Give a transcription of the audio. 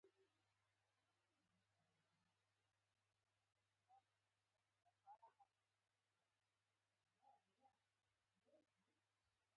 تېل خو هډو لري نه.